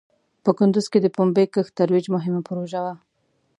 په کندوز کې د پومبې کښت ترویج مهم پروژه وه.